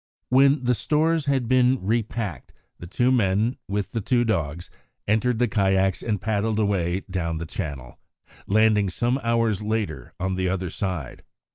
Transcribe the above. When the stores had been repacked, the two men, with the two dogs, entered the kayaks and paddled away down the channel, landing some hours later on the other side.